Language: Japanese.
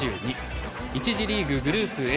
１次リーグ、グループＡ。